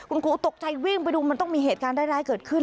คุณครูตกใจวิ่งไปดูมันต้องมีเหตุการณ์ร้ายเกิดขึ้น